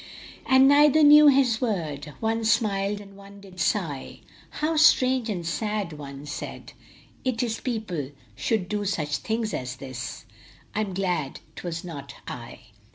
And neither knew his word ; One smiled, and one did sigh. " How strange and sad," one said, " it is People should do such things as this ! I m glad it was not I."